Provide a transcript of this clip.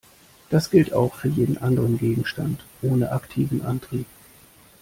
Das gilt auch für jeden anderen Gegenstand ohne aktiven Antrieb.